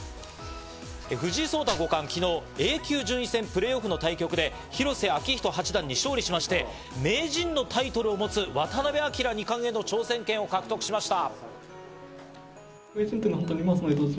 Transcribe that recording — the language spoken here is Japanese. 藤井聡太五冠が昨日、Ａ級順位戦プレーオフの対局で広瀬章人八段に勝利しまして、名人のタイトルを持つ、渡辺明二冠への挑戦権を獲得しました。